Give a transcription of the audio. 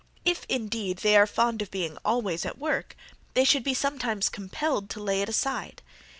If, indeed, they are fond of being always at work, they should be sometimes compelled to lay it aside.